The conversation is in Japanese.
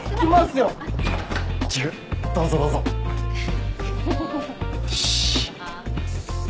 よし。